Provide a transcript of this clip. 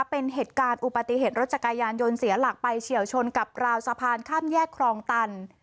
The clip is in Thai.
เป็นเหตุการณ์อุปติเหตุรถจักรยานยนต์เสียหลักไปเฉียวชนกับราวสะพานข้ามแยกครองตัน